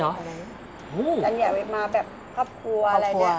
จานใหญ่ไว้มาแบบครอบครัวอะไรเนี่ย